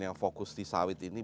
yang fokus di sawit ini